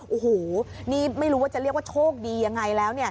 โอ้โหนี่ไม่รู้ว่าจะเรียกว่าโชคดียังไงแล้วเนี่ย